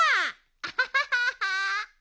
アハハハハ。